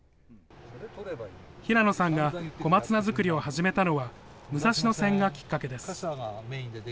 平野さんが小松菜作りを始めたのは、武蔵野線がきっかけです。